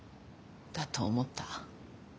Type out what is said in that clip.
だと思った。